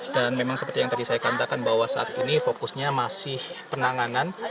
dan memang seperti yang tadi saya katakan bahwa saat ini fokusnya masih penanganan